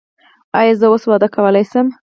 ایا زه اوس واده کولی شم؟